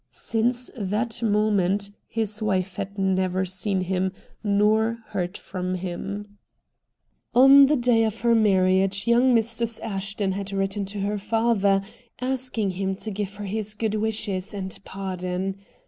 Since that moment his wife had never seen him nor heard from him. On the day of her marriage young Mrs. Ashton had written to her father, asking him to give her his good wishes and pardon.